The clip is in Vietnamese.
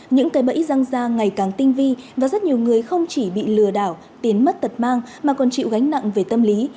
những cây bẫy răng ra ngày càng tinh vi và rất nhiều người không chỉ bị lừa đảo tiền mất tật mang mà còn chịu gánh nặng về tâm lý